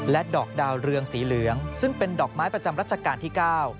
ดอกดาวเรืองสีเหลืองซึ่งเป็นดอกไม้ประจำรัชกาลที่๙